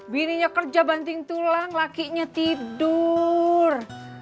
bininya kerja banting tulang lakinya tidur